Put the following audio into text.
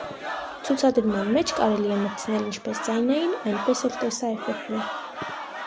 Ցուցադրման մեջ կարելի է մտցնել ինչպես ձայնային, այնպես էլ տեսաէֆեկտներ։